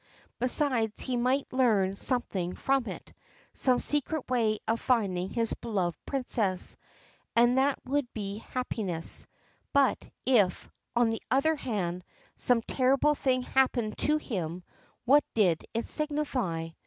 Besides, he might learn something from it, some secret way of finding his beloved Princess and that would be happiness ; but if, on the other hand, some terrible thing happened to him, what did it signify